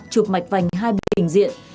chụp mạch vành hai bình diện